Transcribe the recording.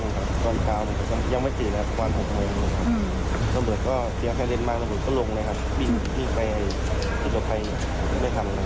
เบิร์ดก็อายุว่ากันเลยมาเกิดลงมาแล้วไปกับใคร